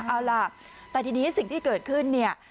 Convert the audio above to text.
เอาล่ะแต่ทีนี้สิ่งที่เกิดขึ้นเนี่ย